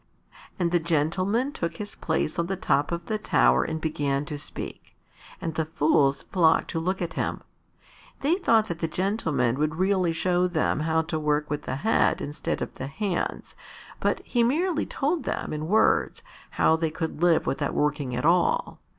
And the gentleman took his place on the top of the tower and began to speak, and the fools flocked to look at him. They thought that the gentleman would really show them how to work with the head instead of the hands, but he merely told them in words how they could live without working at all.